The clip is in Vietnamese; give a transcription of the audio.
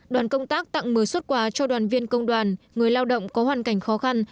đoàn công tác tặng một mươi xuất quà cho đoàn viên công đoàn người lao động có hoàn cảnh khó khăn